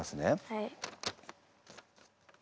はい。